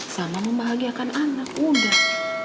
sama membahagiakan anak udah